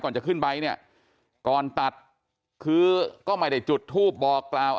จะขึ้นไปเนี่ยก่อนตัดคือก็ไม่ได้จุดทูปบอกกล่าว